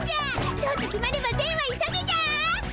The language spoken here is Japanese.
そうと決まれば善は急げじゃ！